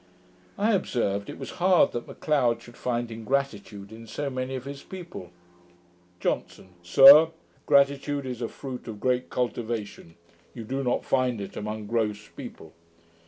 I observed, it was hard that M'Leod should find ingratitude in so many of his people. JOHNSON. 'Sir, gratitude is a fruit of great cultivation; you do not find it among gross people.'